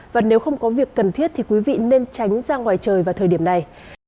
và nếu không có việc cần thiết thì quý vị nên tránh ra ngoài trời vào thời điểm này